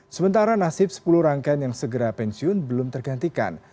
sementara nasib sepuluh rangkaian yang segera pensiun belum tergantikan